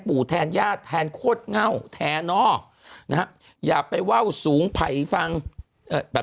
ปู่แทนญาติแทนโคตรเง้าแถเนาะอย่าไปเว้าสูงไผฟังแบบ